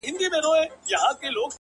په خبرو کي خبري پيدا کيږي ـ